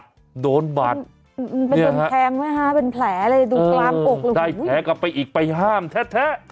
เป็นแผงไหมคะเป็นแผลเลยดูกลามปกเลยได้แผลกลับไปอีกไปห้ามแท้